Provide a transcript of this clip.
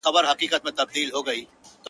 • زه د پي ټي ایم غړی نه یم ,